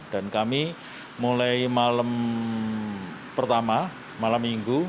dan kami mulai malam pertama malam minggu